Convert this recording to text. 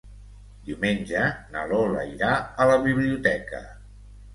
Diumenge na Lola irà a la biblioteca.